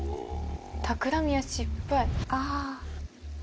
たくらみは失敗。